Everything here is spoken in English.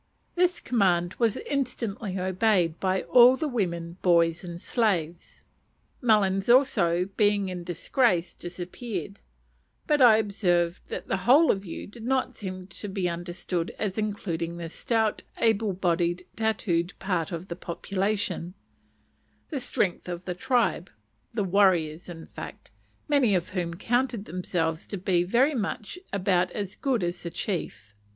This command was instantly obeyed by all the women, boys, and slaves. Melons also, being in disgrace, disappeared; but I observed that "the whole of you" did not seem to be understood as including the stout, able bodied, tattooed part of the population, the strength of the tribe the warriors, in fact, many of whom counted themselves to be very much about as good as the chief.